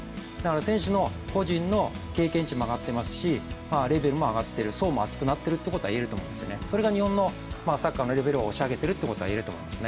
選手の個人の経験値も上がっていますし、レベルも上がっている層も厚くなってるっていうことは言えると思うんです、それが日本のサッカーのレベルが上がってることにつながってると思うんですね。